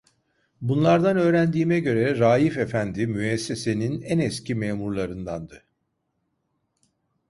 Bunlardan öğrendiğime göre, Raif efendi müessesenin en eski memurlarındandı.